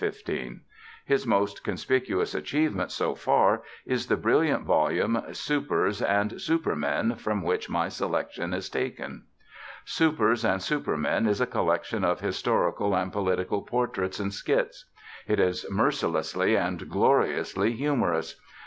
His most conspicuous achievement so far is the brilliant volume Supers and Supermen, from which my selection is taken. Supers and Supermen is a collection of historical and political portraits and skits. It is mercilessly and gloriously humorous.